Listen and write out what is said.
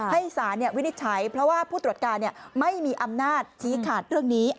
ให้สารวินิจฉัยเพราะว่าผู้ตรวจการไม่มีอำนาจชี้ขาดเรื่องนี้